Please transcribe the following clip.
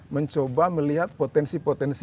mencoba melihat potensi potensi